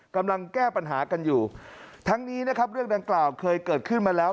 กำลังแก้ปัญหากันอยู่ทั้งนี้นะครับเรื่องดังกล่าวเคยเกิดขึ้นมาแล้ว